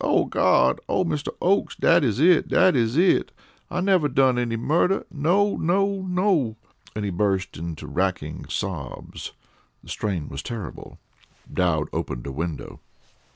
"Oh, Gawd! Oh, Mr. Oakes! Dat is it. Dat is it. I never done any murder. No! no! no!" and he burst into racking sobs. The strain was terrible. Dowd opened a window.